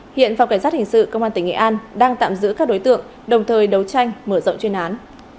hiện phòng cảnh sát hình sự công an tỉnh nghệ an đang tạm giữ các đối tượng đồng thời đấu tranh mở rộng chuyên án